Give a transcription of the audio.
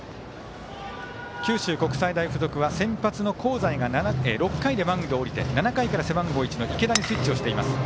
九州国際大付属は先発の香西が６回でマウンドを降りて７回から背番号１の池田にスイッチをしています。